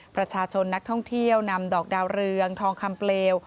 ประชาชนนักท่องเที่ยวนำดอกดาวเรืองทองคำเปลว